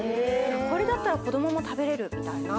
これだったら子どもも食べれるみたいな。